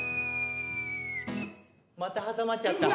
また挟まっちゃった。